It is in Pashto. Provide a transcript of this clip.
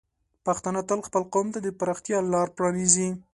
پښتانه تل خپل قوم ته د پراختیا لار پرانیزي.